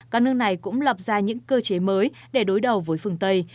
các nước này cũng lập ra những cơ chế mới để đối đầu với phương tây